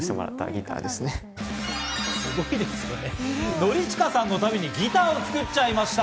典親さんのためにギターを作っちゃいました。